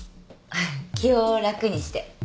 気を楽にして。